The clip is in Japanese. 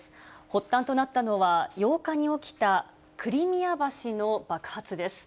発端となったのは、８日に起きたクリミア橋の爆発です。